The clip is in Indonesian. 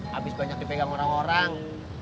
habis banyak dipegang orang orang